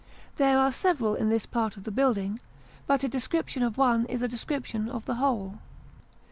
There are several in this part of the building, but a description of one is a description of the whole.